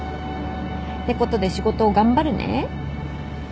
てことで仕事頑張るね。